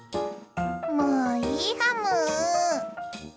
もういいハム！